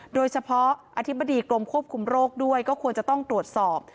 โดยเฉพาะอธิบดีกรมควบคุมโรคด้วยก็ควรจะต้องตรวจสอบ